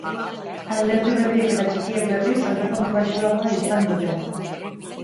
Alderdi berriek eta txikiek, berriz, aurrekontu baxuagoa izan dute.